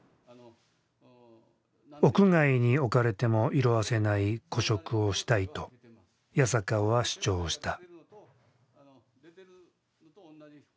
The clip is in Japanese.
屋外に置かれても色あせない古色をしたいと八坂は主張した。